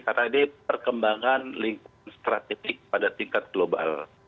karena ini perkembangan strategik pada tingkat global